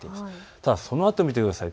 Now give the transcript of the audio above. ただそのあとを見てください。